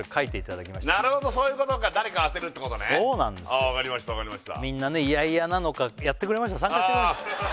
ああわかりましたわかりました